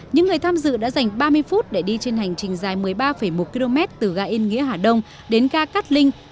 những người tham dự đã dành ba mươi phút để đi trên hành trình dài một mươi ba một km từ ga yên nghĩa hà đông đến ga cát linh